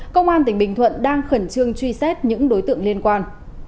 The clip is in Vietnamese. công an tỉnh bình thuận đang khẩn trương truy xét những đối tượng liên quan